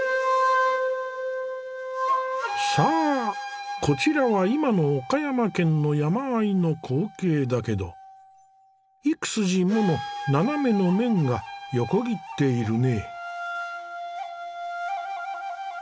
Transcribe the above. さあこちらは今の岡山県の山あいの光景だけど幾筋もの斜めの面が横切っているね。